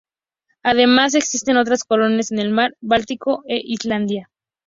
Además, existen otras colonias en el Mar Báltico e Islandia.